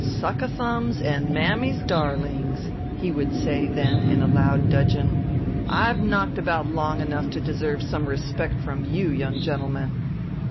"Suck a thumbs and mammy's darlings!" he would say then in loud dudgeon. "I've knocked about long enough to deserve some respect from you young gentlemen!"